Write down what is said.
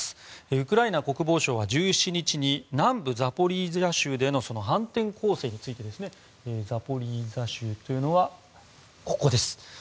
ウクライナ国防省は１７日に南部ザポリージャ州での反転攻勢についてザポリージャ州はここです。